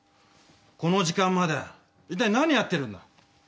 この時間までいったい何やってるんだ？